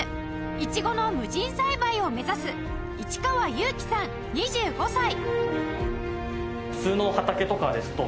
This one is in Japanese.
イチゴの無人栽培を目指す市川友貴さん２５歳